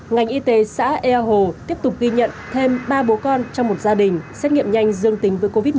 ngành y tế xã ea hồ tiếp tục ghi nhận thêm ba bố con trong một gia đình xét nghiệm nhanh dương tính với covid một mươi chín